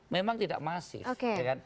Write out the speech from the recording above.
memang tidak masif